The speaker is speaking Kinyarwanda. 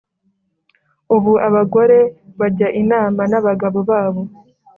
Ubu abagore bajya inama n’abagabo babo.